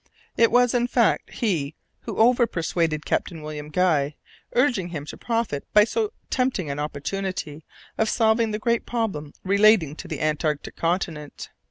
It was, in fact, he who over persuaded Captain William Guy, urging him "to profit by so tempting an opportunity of solving the great problem relating to the Antarctic Continent."